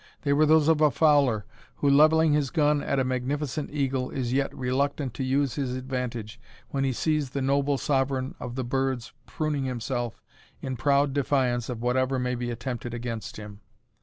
They were those of a fowler, who, levelling his gun at a magnificent eagle, is yet reluctant to use his advantage when he sees the noble sovereign of the birds pruning himself in proud defiance of whatever may be attempted against him.